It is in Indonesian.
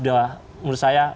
sudah menurut saya